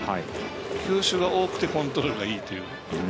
球種が多くてコントロールがいいという。